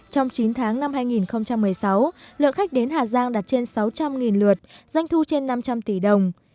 trong chín tháng năm hai nghìn một mươi sáu lượng khách đến hà giang đạt trên sáu trăm linh lượt doanh thu trên năm trăm linh tỷ đồng